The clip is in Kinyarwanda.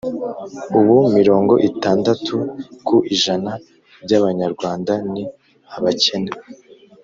ubu mirong itandatu ku ijana by'abanyarwanda ni abakene